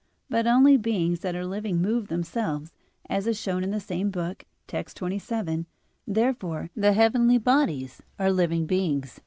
But only beings that are living move themselves, as is shown in the same book (text. 27). Therefore the heavenly bodies are living beings.